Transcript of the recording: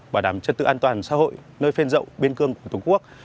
bảo đảm chất tự an toàn xã hội nơi phên rộng biên cương của tổng quốc